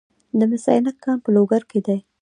د مس عینک کان په لوګر کې دی